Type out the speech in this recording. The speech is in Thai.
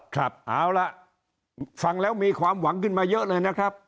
ครับเอาล่ะฟังแล้วมีความหวังขึ้นมาเยอะเลยนะครับ